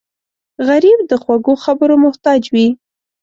غریب د خوږو خبرو محتاج وي